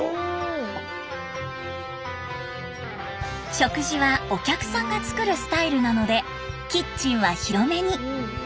食事はお客さんが作るスタイルなのでキッチンは広めに。